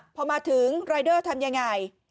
พอมาถึงรายเดอร์ทำยังไง